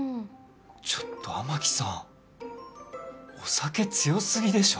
ちょっと雨樹さんお酒強すぎでしょ。